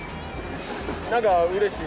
なんかうれしい。